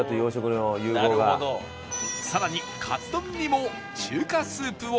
さらにカツ丼にも中華スープを使用